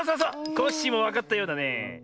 コッシーもわかったようだねえ。